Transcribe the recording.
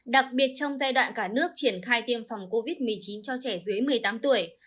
đặc biệt trong giai đoạn cả nước triển khai tiêm phòng covid một mươi chín cho trẻ dưới một mươi tám tuổi